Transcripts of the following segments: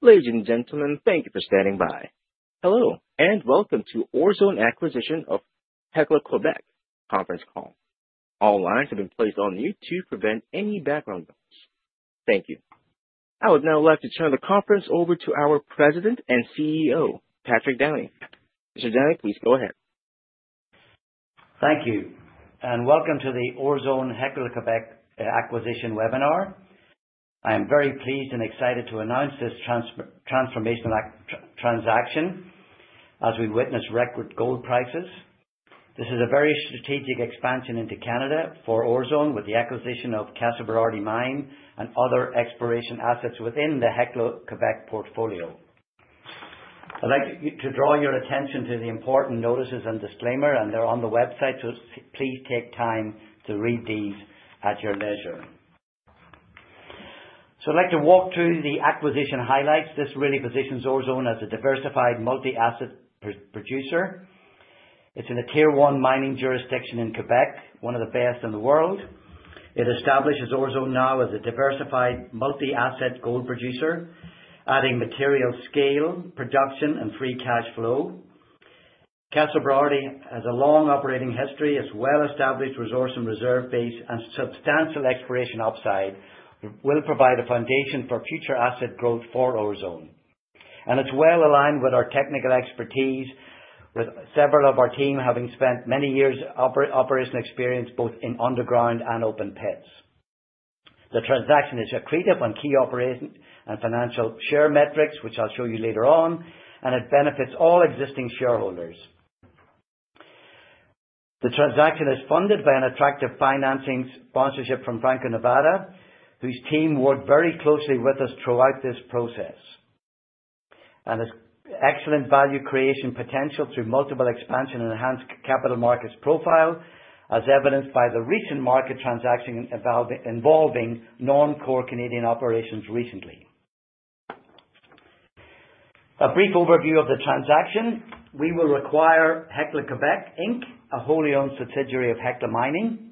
Ladies and gentlemen, thank you for standing by. Hello, and welcome to Orezone Acquisition of Hecla Quebec conference call. All lines have been placed on mute to prevent any background noise. Thank you. I would now like to turn the conference over to our President and CEO, Patrick Downey. Mr. Downey, please go ahead. Thank you, and welcome to the Orezone Hecla Quebec acquisition webinar. I am very pleased and excited to announce this transformational transaction as we witness record gold prices. This is a very strategic expansion into Canada for Orezone, with the acquisition of Casa Berardi Mine and other exploration assets within the Hecla Quebec portfolio. I'd like to draw your attention to the important notices and disclaimer, and they're on the website, so please take time to read these at your leisure. I'd like to walk through the acquisition highlights. This really positions Orezone as a diversified multi-asset producer. It's in a Tier 1 mining jurisdiction in Quebec, one of the best in the world. It establishes Orezone now as a diversified multi-asset gold producer, adding material scale, production, and free cash flow. Casa Berardi has a long operating history, as well as established resource and reserve base, and substantial exploration upside, will provide a foundation for future asset growth for Orezone. It's well aligned with our technical expertise, with several of our team having spent many years operation experience, both in underground and open pits. The transaction is accretive on key operations and financial share metrics, which I'll show you later on, and it benefits all existing shareholders. The transaction is funded by an attractive financing sponsorship from Franco-Nevada, whose team worked very closely with us throughout this process. There's excellent value creation potential through multiple expansion and enhanced capital markets profile, as evidenced by the recent market transaction involving non-core Canadian operations recently. A brief overview of the transaction. We will acquire Hecla Quebec Inc, a wholly owned subsidiary of Hecla Mining.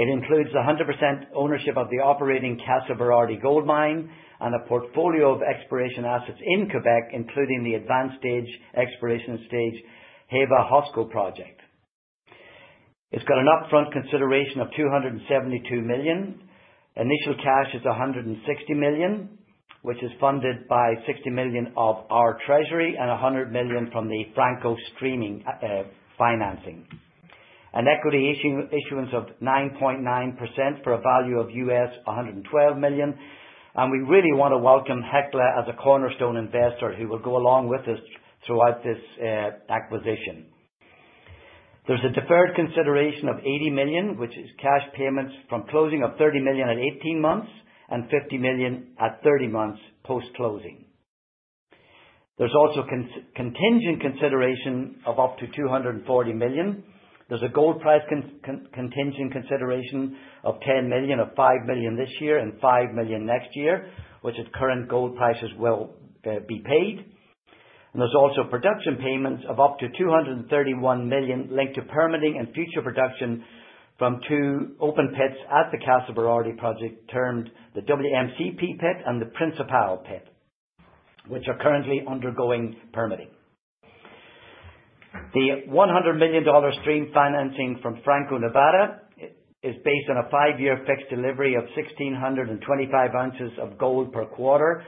It includes 100% ownership of the operating Casa Berardi gold mine and a portfolio of exploration assets in Quebec, including the advanced stage, exploration stage, Heva-Hosco project. It's got an upfront consideration of $272 million. Initial cash is $160 million, which is funded by $60 million of our treasury and $100 million from the Franco-Nevada streaming financing. An equity issuance of 9.9% for a value of $112 million, and we really want to welcome Hecla as a cornerstone investor who will go along with us throughout this acquisition. There's a deferred consideration of $80 million, which is cash payments from closing of $30 million at 18 months and $50 million at 30 months post-closing. There's also contingent consideration of up to $240 million. There's a gold price contingent consideration of $10 million, of $5 million this year and $5 million next year, which at current gold prices will be paid. And there's also production payments of up to $231 million linked to permitting and future production from two open pits at the Casa Berardi project, termed the WMCP pit and the Principal Pit, which are currently undergoing permitting. The $100 million stream financing from Franco-Nevada is based on a 5-year fixed delivery of 1,625 ounces of gold per quarter,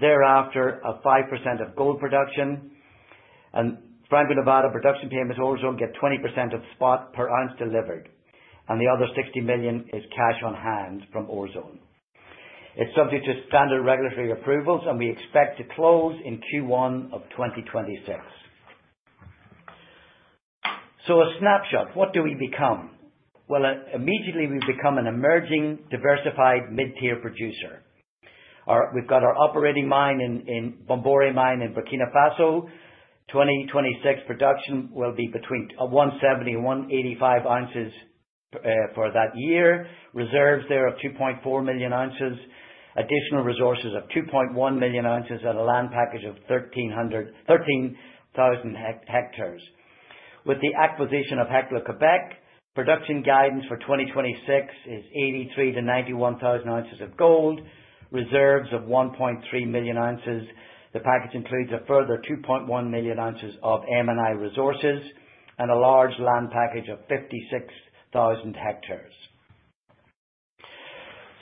thereafter, a 5% of gold production. And Franco-Nevada production payments also get 20% of spot per ounce delivered, and the other $60 million is cash on hand from Orezone. It's subject to standard regulatory approvals, and we expect to close in Q1 of 2026. A snapshot, what do we become? Well, immediately, we become an emerging, diversified mid-tier producer. We've got our operating mine in Bomboré Mine in Burkina Faso. 2026 production will be between 170,000-185,000 oz for that year. Reserves there are 2.4 million ounces, additional resources of 2.1 million ounces at a land package of 13,000 hectares. With the acquisition of Hecla Quebec, production guidance for 2026 is 83,000-91,000 oz of gold, reserves of 1.3 million ounces. The package includes a further 2.1 million ounces of M&I resources and a large land package of 56,000 hectares.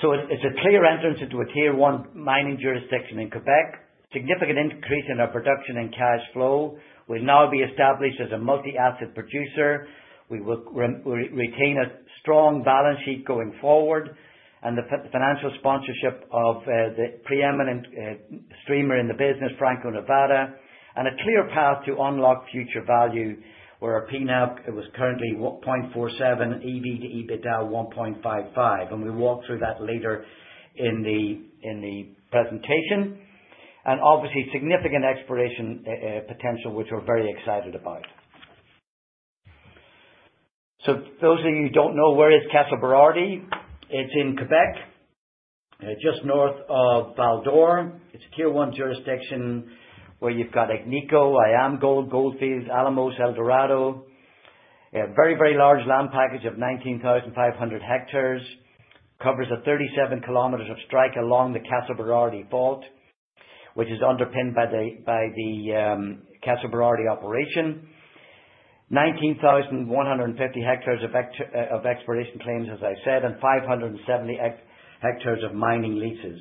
It's a clear entrance into a Tier 1 mining jurisdiction in Quebec. Significant increase in our production and cash flow will now be established as a multi-asset producer. We will retain a strong balance sheet going forward and the financial sponsorship of the preeminent streamer in the business, Franco-Nevada, and a clear path to unlock future value, where our PNAV, it was currently 0.47, EV to EBITDA 1.55, and we'll walk through that later in the presentation. Obviously, significant exploration potential, which we're very excited about. So those of you who don't know where is Casa Berardi, it's in Quebec, just north of Val-d'Or. It's a Tier 1 jurisdiction where you've got Agnico, IAMGOLD, Gold Fields, Alamos, Eldorado. A very, very large land package of 19,500 hectares, covers 37 km of strike along the Casa Berardi Fault, which is underpinned by the Casa Berardi operation. 19,150 hectares of exploration claims, as I said, and 570 hectares of mining leases.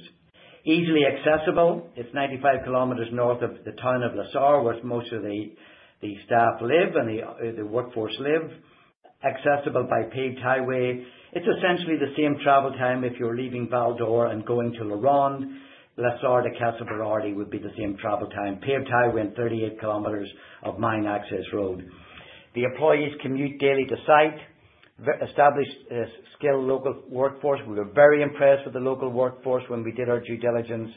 Easily accessible, it's 95 km north of the town of La Sarre, where most of the staff live and the workforce live. Accessible by paved highway. It's essentially the same travel time if you're leaving Val-d'Or and going to LaRonde. La Sarre to Casa Berardi would be the same travel time. Paved highway and 38 km of mine access road. The employees commute daily to site. Very established, skilled local workforce. We were very impressed with the local workforce when we did our due diligence.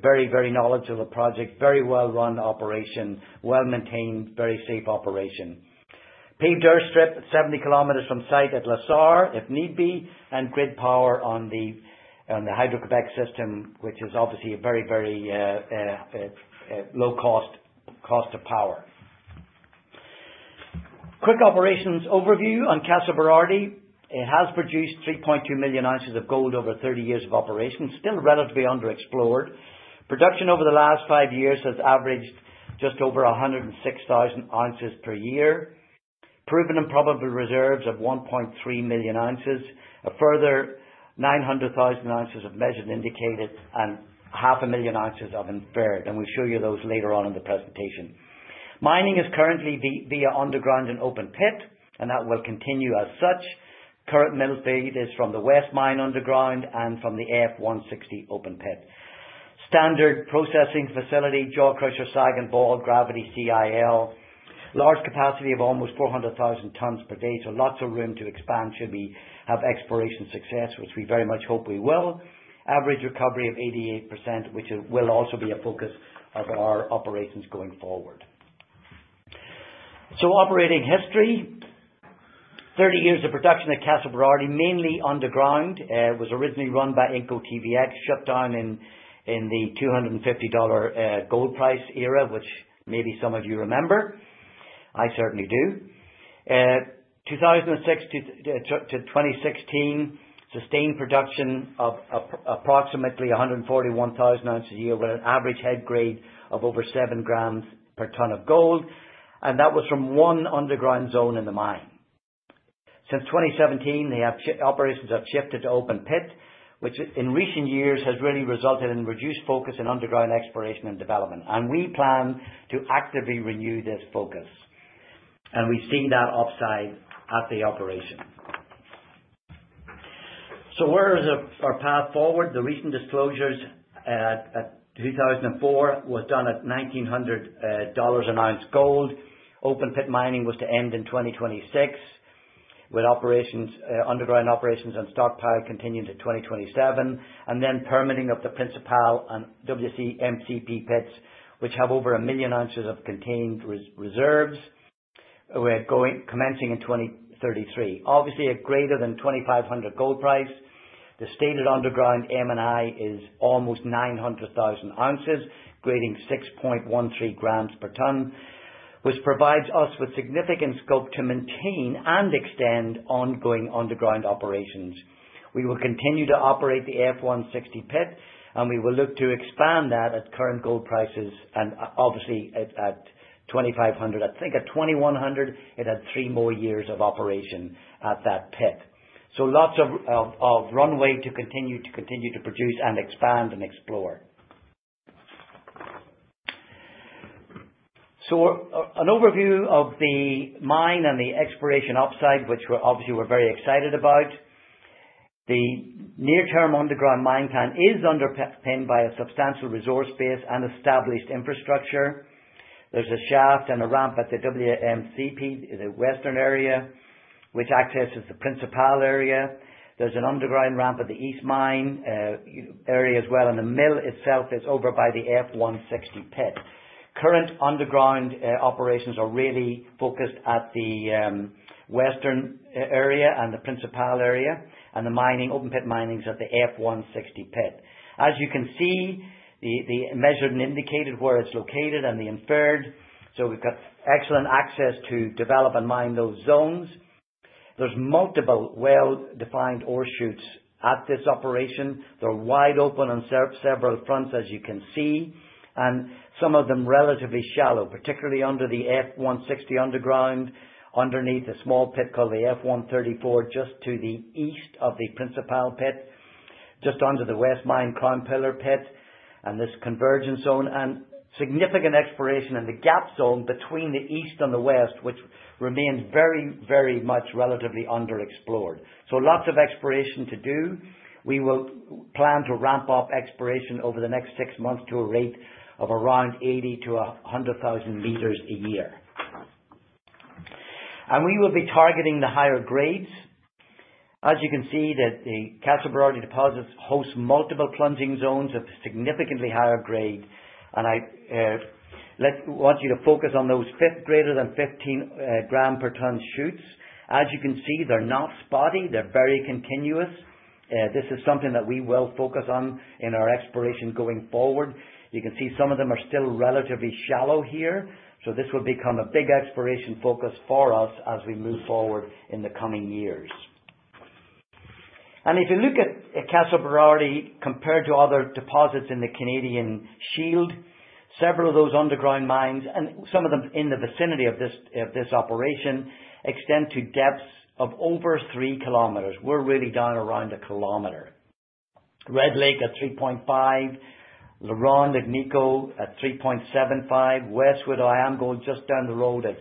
Very, very knowledgeable of the project, very well-run operation, well-maintained, very safe operation. Paved airstrip, 70 km from site at La Sarre, if need be, and grid power on the, on the Hydro-Québec system, which is obviously a very, very, low cost, cost of power. Quick operations overview on Casa Berardi. It has produced 3.2 million ounces of gold over 30 years of operation, still relatively underexplored. Production over the last 5 years has averaged just over 106,000 oz per year. Proven and probable reserves of 1.3 million ounces. A further 900,000 oz of measured indicated and 500,000 oz of inferred, and we'll show you those later on in the presentation. Mining is currently via underground and open pit, and that will continue as such. Current metal feed is from the West Mine underground and from the F-160 open pit. Standard processing facility, jaw crusher, SAG and ball, gravity CIL. Large capacity of almost 400,000 tons per day, so lots of room to expand should we have exploration success, which we very much hope we will. Average recovery of 88%, which will also be a focus of our operations going forward. So operating history. 30 years of production at Casa Berardi, mainly underground, was originally run by Inco TVX, shut down in the $250 gold price era, which maybe some of you remember. I certainly do. 2006 to 2016, sustained production of approximately 141,000 ounces a year, with an average head grade of over seven grams per tonne of gold, and that was from one underground zone in the mine. Since 2017, operations have shifted to open pit, which in recent years has really resulted in reduced focus in underground exploration and development, and we plan to actively renew this focus, and we've seen that upside at the operation. So where is our path forward? The recent disclosures at 2024 was done at $1,900 an ounce gold. Open pit mining was to end in 2026, with operations, underground operations and stockpile continuing to 2027, and then permitting of the Principal and WMCP pits, which have over 1 million ounces of contained reserves. We're commencing in 2033. Obviously, a greater than $2,500 gold price. The stated underground M&I is almost 900,000 oz, grading 6.13 grams per tonne, which provides us with significant scope to maintain and extend ongoing underground operations. We will continue to operate the F-160 Pit, and we will look to expand that at current gold prices and, obviously at, at $2,500. I think at $2,100, it had three more years of operation at that pit. So lots of runway to continue, to continue to produce and expand and explore. So an overview of the mine and the exploration upside, which we're obviously very excited about. The near-term underground mine plan is underpinned by a substantial resource base and established infrastructure. There's a shaft and a ramp at the WMCP, the western area, which accesses the Principal area. There's an underground ramp at the East Mine area as well, and the mill itself is over by the F-160 Pit. Current underground operations are really focused at the western area and the Principal area, and the mining, open pit mining is at the F-160 Pit. As you can see, the measured and indicated where it's located and the inferred, so we've got excellent access to develop and mine those zones. There's multiple well-defined ore shoots at this operation. They're wide open on several fronts, as you can see, and some of them relatively shallow, particularly under the F-160 underground, underneath a small pit called the F-134, just to the east of the Principal Pit, just under the West Mine Crown Pillar pit and this convergence zone. Significant exploration in the Gap Zone between the east and the west, which remains very, very much relatively underexplored. So lots of exploration to do. We will plan to ramp up exploration over the next six months to a rate of around 80 to 100,000 meters a year. We will be targeting the higher grades. As you can see, that the Casa Berardi deposits host multiple plunging zones of significantly higher grade, and I want you to focus on those fifth, greater than 15 gram per tonne shoots. As you can see, they're not spotty, they're very continuous. This is something that we will focus on in our exploration going forward. You can see some of them are still relatively shallow here, so this will become a big exploration focus for us as we move forward in the coming years. If you look at Casa Berardi, compared to other deposits in the Canadian Shield, several of those underground mines, and some of them in the vicinity of this operation, extend to depths of over 3 km. We're really down around a kilometer. Red Lake at 3.5, LaRonde, Agnico at 3.75, Westwood, IAMGOLD just down the road at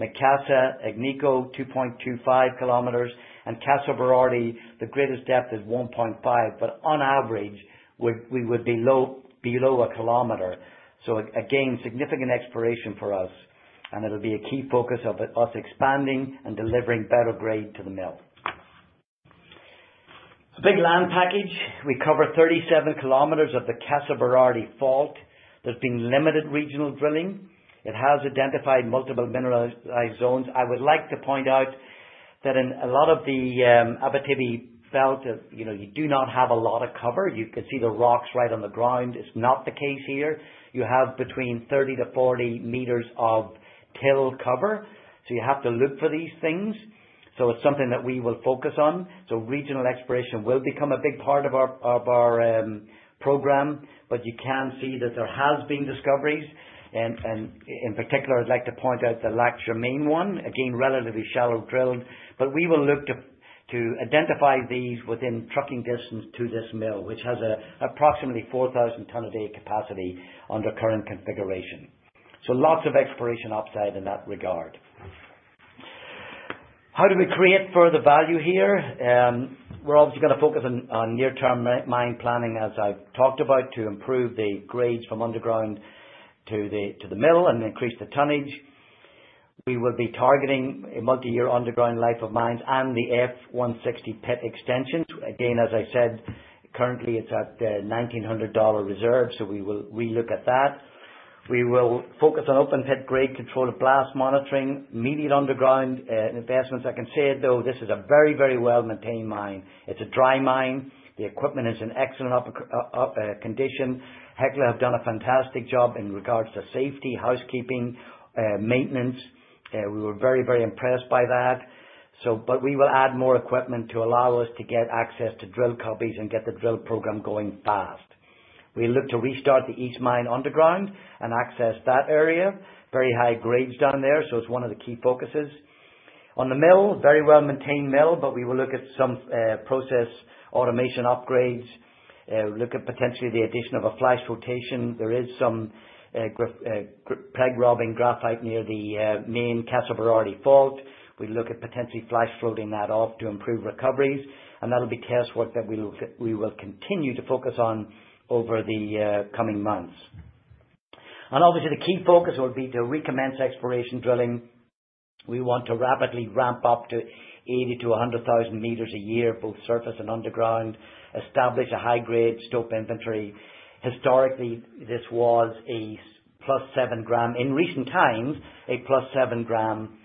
2 km, Macassa, Agnico, 2.25 km, and Casa Berardi, the greatest depth is 1.5, but on average, would be below a kilometer. So again, significant exploration for us, and it'll be a key focus of us expanding and delivering better grade to the mill. A big land package. We cover 37 km of the Casa Berardi Fault. There's been limited regional drilling. It has identified multiple mineralized zones. I would like to point out that in a lot of the Abitibi Belt, you know, you do not have a lot of cover. You could see the rocks right on the ground. It's not the case here. You have between 30-40 m of till cover, so you have to look for these things. So it's something that we will focus on. So regional exploration will become a big part of our, of our, program, but you can see that there has been discoveries, and in particular, I'd like to point out the Lac Germain one, again, relatively shallow drilled, but we will look to, to identify these within trucking distance to this mill, which has approximately 4,000 ton a day capacity under current configuration. So lots of exploration upside in that regard. How do we create further value here? We're obviously gonna focus on, on near-term mine planning, as I've talked about, to improve the grades from underground to the, to the mill and increase the tonnage. We will be targeting a multi-year underground life of mines and the F-160 Pit extension. Again, as I said, currently, it's at $1,900 reserve, so we will relook at that. We will focus on open pit grade, control of blast monitoring, immediate underground investments. I can say, though, this is a very, very well-maintained mine. It's a dry mine. The equipment is in excellent condition. Hecla have done a fantastic job in regards to safety, housekeeping, maintenance. We were very, very impressed by that. But we will add more equipment to allow us to get access to drill copies and get the drill program going fast. We look to restart the East Mine underground and access that area. Very high grades down there, so it's one of the key focuses. On the mill, very well-maintained mill, but we will look at some process automation upgrades, look at potentially the addition of a flash flotation. There is some possible graphite near the main Casa Berardi Fault. We look at potentially flash flotation that off to improve recoveries, and that'll be case work that we look at. We will continue to focus on over the coming months. And obviously, the key focus will be to recommence exploration drilling. We want to rapidly ramp up to 80-100,000 m a year, both surface and underground, establish a high-grade stope inventory. Historically, this was a +7 gram. In recent times, a +7 gram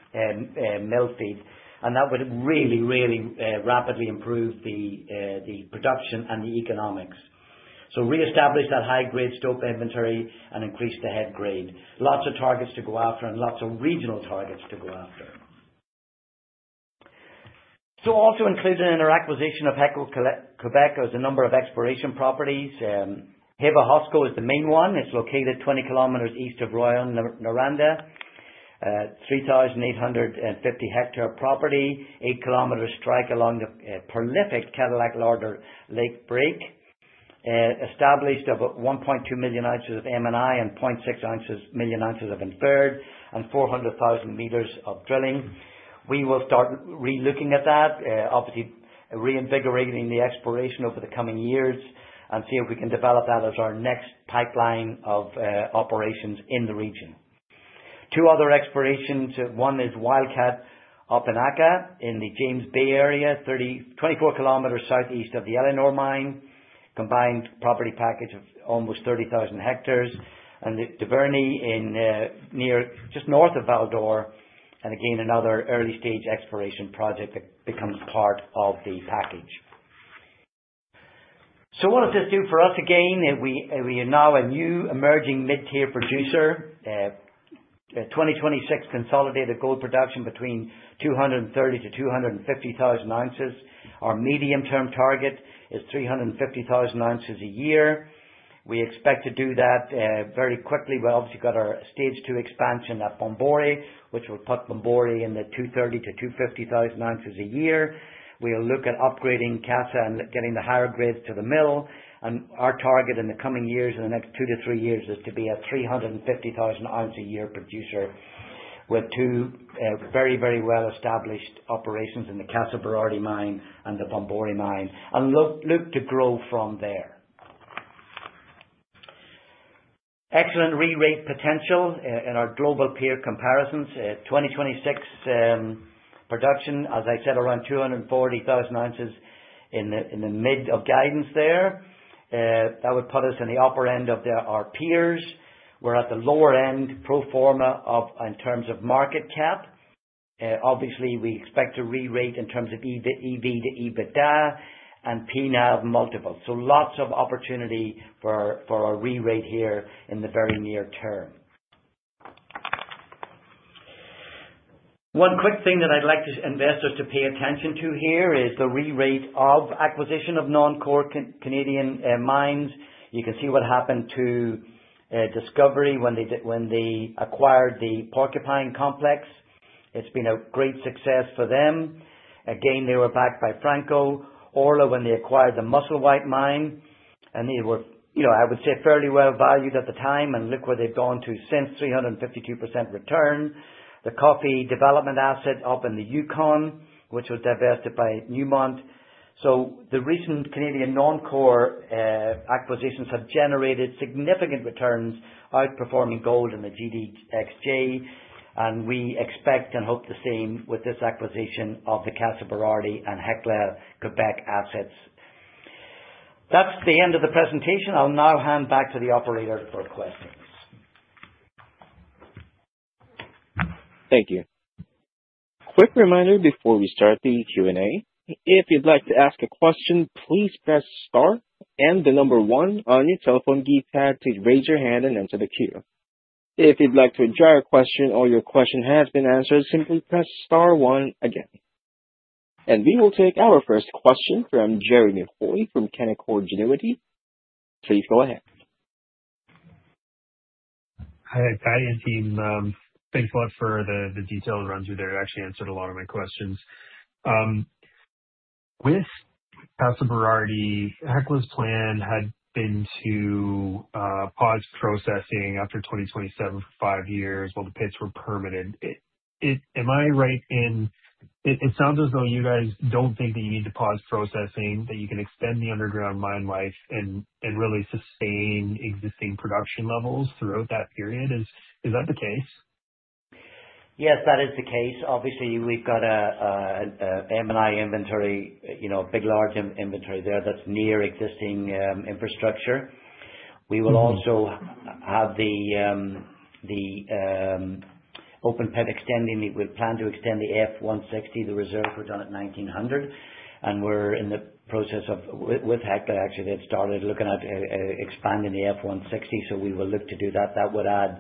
mill feed, and that would really, really rapidly improve the production and the economics. So reestablish that high-grade stope inventory and increase the head grade. Lots of targets to go after and lots of regional targets to go after. So also included in our acquisition of Hecla Quebec is a number of exploration properties. Heva-Hosco is the main one. It's located 20 km east of Rouyn-Noranda, 3,850-hectare property, 8-km strike along the prolific Cadillac Larder Lake Break, established about 1.2 million ounces of M&I and 0.6 million ounces of inferred, and 400,000 m of drilling. We will start relooking at that, obviously reinvigorating the exploration over the coming years and see if we can develop that as our next pipeline of operations in the region. Two other explorations, one is Wildcat Opinaca in the James Bay area, 320 km southeast of the Éléonore Mine, combined property package of almost 30,000 hectares, and the Duvernay in, near, just north of Val-d'Or, and again, another early-stage exploration project that becomes part of the package. So what does this do for us? Again, we are now a new emerging mid-tier producer, 2026 consolidated gold production between 230,000-250,000 oz. Our medium-term target is 350,000 oz a year. We expect to do that very quickly. We've obviously got our stage two expansion at Bomboré, which will put Bomboré in the 230-250 thousand ounces a year. We'll look at upgrading Casa and getting the higher grades to the mill, and our target in the coming years, in the next 2-3 years, is to be a 350,000 ounce a year producer with two very, very well-established operations in the Casa Berardi mine and the Bomboré mine, and look to grow from there. Excellent re-rate potential in our global peer comparisons. 2026 production, as I said, around 240,000 oz in the mid of guidance there. That would put us in the upper end of our peers. We're at the lower end pro forma in terms of market cap. Obviously, we expect to rerate in terms of EV to EBITDA and PNAV multiples. So lots of opportunity for a rerate here in the very near term. One quick thing that I'd like just investors to pay attention to here is the rerate of acquisition of non-core Canadian mines. You can see what happened to Discovery when they acquired the Porcupine Complex. It's been a great success for them. Again, they were backed by Franco-Nevada, Orla, when they acquired the Musselwhite mine, and they were, you know, I would say, fairly well valued at the time, and look where they've gone to since, 352% return. The Coffee development asset up in the Yukon, which was divested by Newmont. So the recent Canadian non-core acquisitions have generated significant returns, outperforming gold in the GDXJ, and we expect and hope the same with this acquisition of the Casa Berardi and Hecla Quebec assets. That's the end of the presentation. I'll now hand back to the operator for questions. Thank you. Quick reminder before we start the Q&A. If you'd like to ask a question, please press star and the number one on your telephone keypad to raise your hand and enter the queue. If you'd like to withdraw your question or your question has been answered, simply press star one again. We will take our first question from Jeremy Hoy from Canaccord Genuity. Please go ahead. Hi, Patty and team. Thanks a lot for the detailed run through there. It actually answered a lot of my questions. With Casa Berardi, Hecla's plan had been to pause processing after 2027 for five years while the pits were permitted. Am I right in that it sounds as though you guys don't think that you need to pause processing, that you can extend the underground mine life and really sustain existing production levels throughout that period? Is that the case? Yes, that is the case. Obviously, we've got a M&I inventory, you know, big, large inventory there that's near existing infrastructure. We will also have the open pit extending, we plan to extend the F-160, the reserve we've done at 1,900, and we're in the process of, with Hecla, actually, they've started looking at expanding the F-160, so we will look to do that. That would add,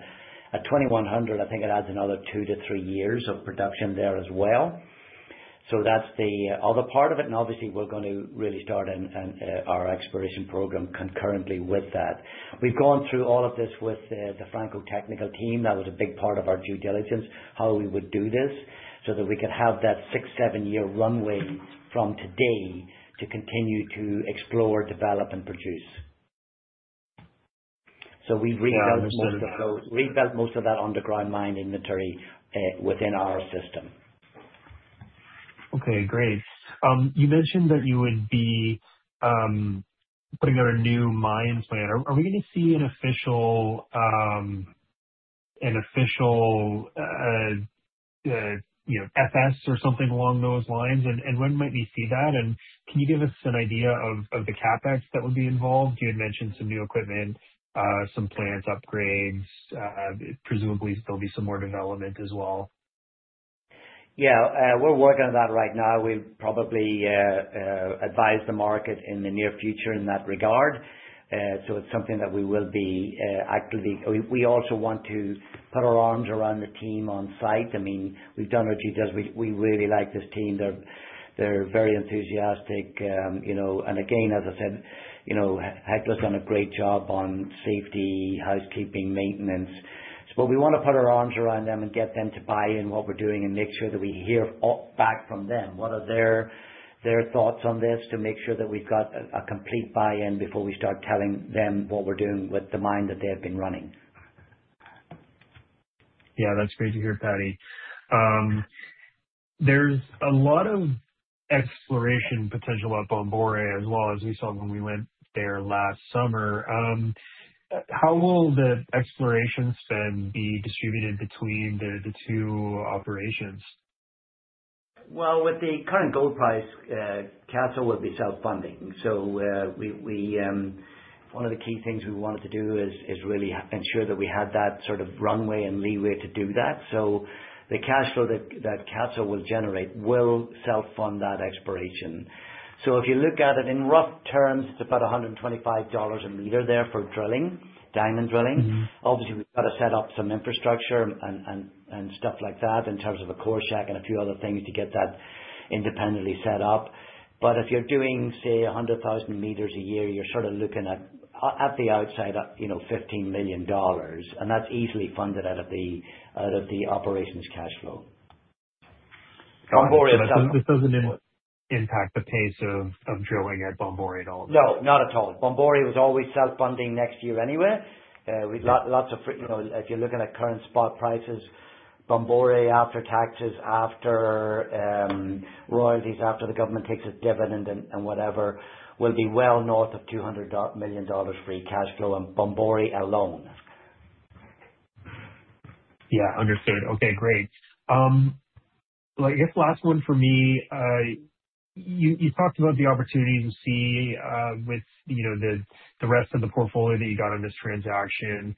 at 2,100, I think it adds another 2-3 years of production there as well. So that's the other part of it, and obviously we're going to really start and our exploration program concurrently with that. We've gone through all of this with the Franco-Nevada technical team. That was a big part of our due diligence, how we would do this, so that we could have that 6-7-year runway from today to continue to explore, develop, and produce. So we've rebuilt most of that underground mine inventory within our system. Okay, great. You mentioned that you would be putting out a new mine plan. Are we gonna see an official, you know, FS or something along those lines? And when might we see that? And can you give us an idea of the CapEx that would be involved? You had mentioned some new equipment, some plants, upgrades, presumably there'll be some more development as well. Yeah, we're working on that right now. We'll probably advise the market in the near future in that regard. So it's something that we will be actively... We also want to put our arms around the team on site. I mean, we've done our due diligence. We really like this team. They're very enthusiastic. You know, and again, as I said, you know, Hecla's done a great job on safety, housekeeping, maintenance. So we want to put our arms around them and get them to buy in what we're doing and make sure that we hear back from them, what are their thoughts on this, to make sure that we've got a complete buy-in before we start telling them what we're doing with the mine that they have been running. Yeah, that's great to hear, Patty. There's a lot of exploration potential at Bomboré as well, as we saw when we went there last summer. How will the exploration spend be distributed between the two operations? Well, with the current gold price, Casa will be self-funding. So, one of the key things we wanted to do is really ensure that we had that sort of runway and leeway to do that. So the cash flow that Casa will generate will self-fund that exploration. So if you look at it in rough terms, it's about $125 a meter there for drilling, diamond drilling. Mm-hmm. Obviously, we've got to set up some infrastructure and stuff like that in terms of a core shack and a few other things to get that independently set up. But if you're doing, say, 100,000 m a year, you're sort of looking at the outside, you know, $15 million, and that's easily funded out of the operations cash flow. So this doesn't impact the pace of drilling at Bomboré at all? No, not at all. Bomboré was always self-funding next year anyway. We've lots of, you know, if you're looking at current spot prices, Bomboré, after taxes, after royalties, after the government takes its dividend and, and whatever, will be well north of $200 million free cash flow on Bomboré alone. Yeah, understood. Okay, great. Well, I guess last one for me, you talked about the opportunity to see with, you know, the rest of the portfolio that you got on this transaction.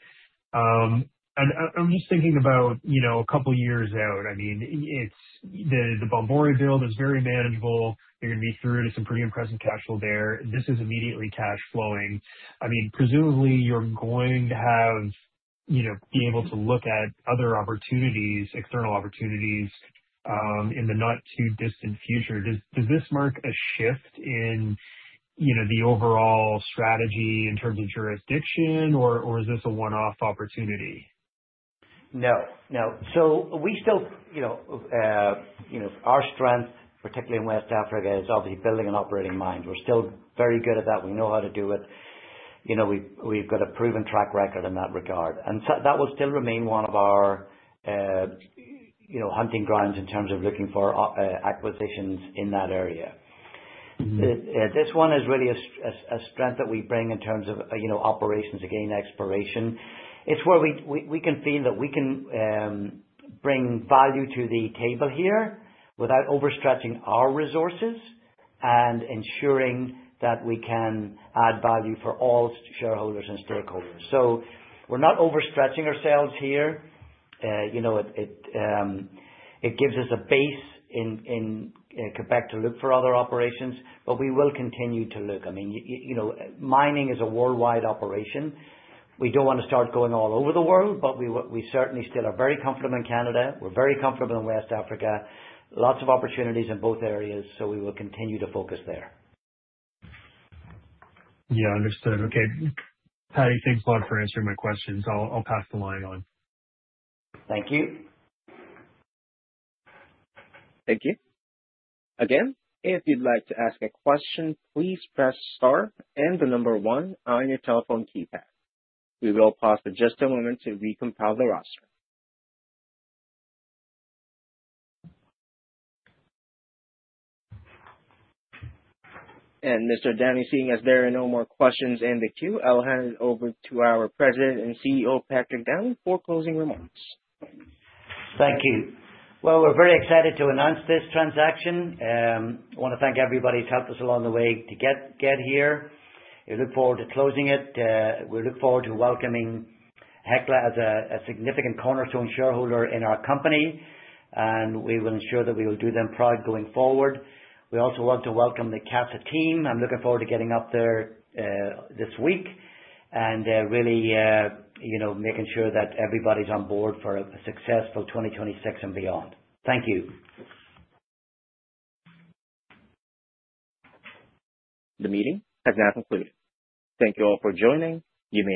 And I'm just thinking about, you know, a couple years out. I mean, it's the Bomboré build is very manageable. You're gonna be through to some pretty impressive cash flow there. This is immediately cash flowing. I mean, presumably you're going to have, you know, be able to look at other opportunities, external opportunities, in the not too distant future. Does this mark a shift in, you know, the overall strategy in terms of jurisdiction, or is this a one-off opportunity? No, no. So we still, you know, you know, our strength, particularly in West Africa, is obviously building and operating mines. We're still very good at that. We know how to do it. You know, we've got a proven track record in that regard, and so that will still remain one of our, you know, hunting grounds in terms of looking for acquisitions in that area. This one is really a strength that we bring in terms of, you know, operations, again, exploration. It's where we can feel that we can bring value to the table here without overstretching our resources, and ensuring that we can add value for all shareholders and stakeholders. So we're not overstretching ourselves here. You know, it gives us a base in Quebec to look for other operations, but we will continue to look. I mean, you know, mining is a worldwide operation. We don't want to start going all over the world, but we certainly still are very comfortable in Canada. We're very comfortable in West Africa. Lots of opportunities in both areas, so we will continue to focus there. Yeah, understood. Okay. Patty, thanks a lot for answering my questions. I'll, I'll pass the line on. Thank you. Thank you. Again, if you'd like to ask a question, please press star and the number one on your telephone keypad. We will pause for just a moment to recompile the roster. Mr. Downey, seeing as there are no more questions in the queue, I'll hand it over to our President and CEO, Patrick Downey, for closing remarks. Thank you. Well, we're very excited to announce this transaction. I want to thank everybody who's helped us along the way to get here. We look forward to closing it. We look forward to welcoming Hecla as a significant cornerstone shareholder in our company, and we will ensure that we will do them proud going forward. We also want to welcome the Casa team. I'm looking forward to getting up there this week, and really you know, making sure that everybody's on board for a successful 2026 and beyond. Thank you. The meeting has now concluded. Thank you all for joining. You may disconnect.